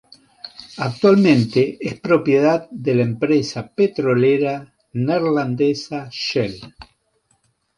Actualmente es propiedad de la empresa petrolera neerlandesa Shell.